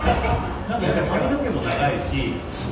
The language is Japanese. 髪の毛も長いし。